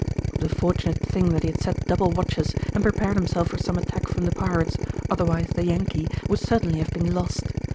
It was a fortunate thing that he had set double watches and prepared himself for some attack from the pirates, otherwise the Yankee would certainly have been lost.